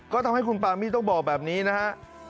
ก็ทำให้คุณปามี่ต้องบอกแบบนี้นะฮะ